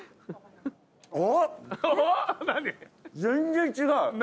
全然違う。